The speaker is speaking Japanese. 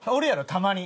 たまに。